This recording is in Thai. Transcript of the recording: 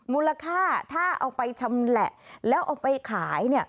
มูลค่าถ้าเอาไปชำแหละแล้วเอาไปขาย